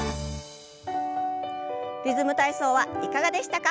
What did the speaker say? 「リズム体操」はいかがでしたか？